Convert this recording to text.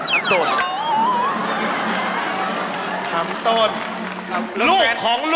คำต้น